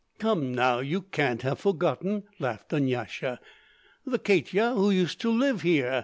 "Come, now, you can't have forgotten!" laughed Dunyasha. "The Katya who used to live here.